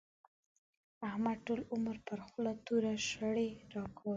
احمد ټول عمر پر خوله توره شړۍ راکاږي.